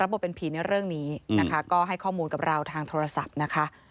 บทเป็นผีในเรื่องนี้นะคะก็ให้ข้อมูลกับเราทางโทรศัพท์นะคะ